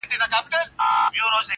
همېشه به وه روان پکښي جنگونه.!